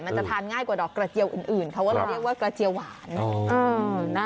จะทานง่ายกว่าดอกกระเจียวอื่นเขาก็เลยเรียกว่ากระเจียวหวาน